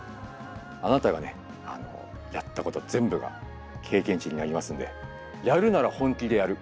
あなたがねやったこと全部が経験値になりますんでやるなら本気でやる。